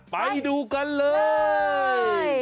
ไปดูกันเลย